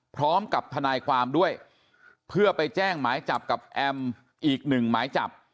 พร้อมกับทนายความด้วยเพื่อไปแจ้งหมายจับกับแอมอีกหนึ่งหมายจับ